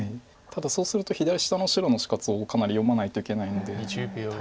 ただそうすると左下の白の死活をかなり読まないといけないので大変です。